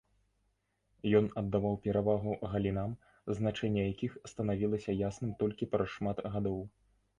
Ён аддаваў перавагу галінам, значэнне якіх станавілася ясным толькі праз шмат гадоў.